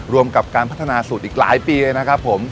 รวมกับการพัฒนาสูตรอีกหลายปีเลยนะครับผม